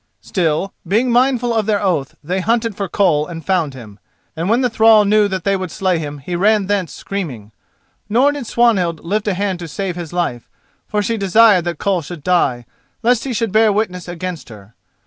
Still, being mindful of their oath, they hunted for Koll and found him. And when the thrall knew that they would slay him he ran thence screaming. Nor did Swanhild lift a hand to save his life, for she desired that Koll should die, lest he should bear witness against her.